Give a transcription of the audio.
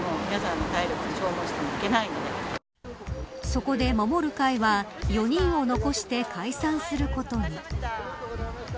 そこで、守る会は４人を残して解散することに。